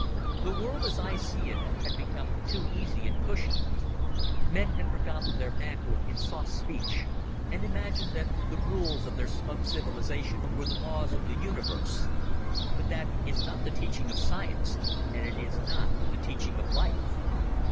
The world, as I see it, had become too easy and cushioned. Men had forgotten their manhood in soft speech, and imagined that the rules of their smug civilization were the laws of the universe. But that is not the teaching of science, and it is not the teaching of life.